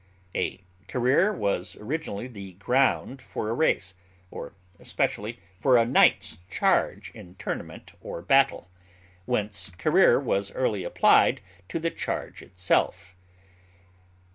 A career was originally the ground for a race, or, especially, for a knight's charge in tournament or battle; whence career was early applied to the charge itself.